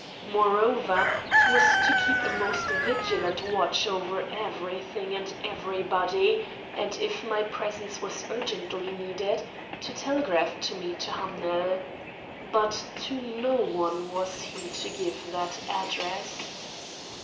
Moreover, he was to keep a most vigilant watch over everything and everybody, and if my presence was urgently needed to telegraph to me to Hamnel. But to no one was he to give that address.